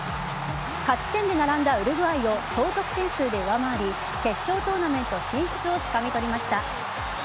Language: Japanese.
勝ち点で並んだウルグアイを総得点数で上回り決勝トーナメント進出をつかみ取りました。